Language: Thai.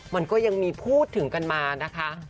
มันก็ยังมีพูดถึงกันมานะคะ